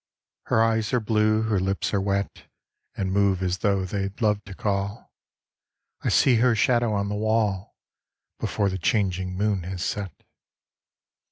Her eyes are blue, her lips are wet, And move as tho' they'd love to call. I see her shadow on the wall Before the changing moon has set.